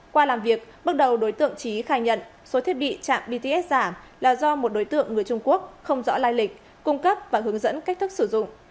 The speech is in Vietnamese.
qua làm việc bước đầu đối tượng trí khai nhận số thiết bị chạm bts giả là do một đối tượng người trung quốc không rõ lai lịch cung cấp và hướng dẫn cách thức sử dụng